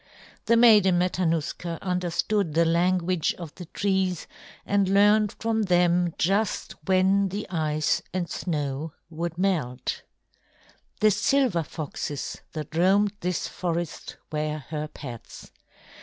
The Maiden Matanuska understood the language of the trees and learned from them just when the ice and snow would melt. The silver foxes that roamed this forest were her pets.